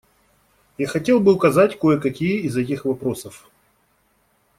Я хотел бы указать кое-какие из этих вопросов.